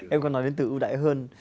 em có nói đến từ ưu đãi hơn